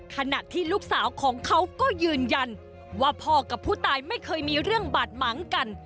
ขณะที่ลูกสาวของเขาก็ยืนยันว่าพ่อกับผู้ตายไม่เคยมีเรื่องบาดหมางกัน